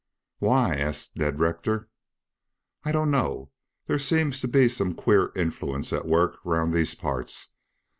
"Why?" asked Ned Rector. "I don't know. There seems to be some queer influence at work round these parts.